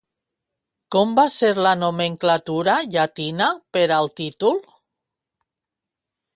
Com va ser la nomenclatura llatina per al títol?